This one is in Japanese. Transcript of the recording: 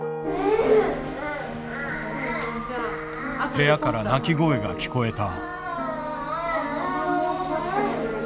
・部屋から泣き声が聞こえた。